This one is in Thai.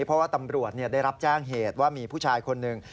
เพราะว่าตำรวจได้รับแจ้งเหตุว่ามีผู้ชายคนหนึ่ง